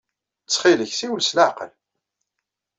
Ttxil-k, ssiwel s leɛqel.